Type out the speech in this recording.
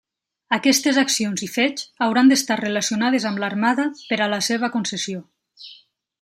Aquestes accions i fets hauran d'estar relacionades amb l'Armada per a la seva concessió.